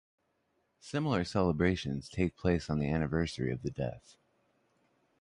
Similar celebrations take place on the anniversary of the death.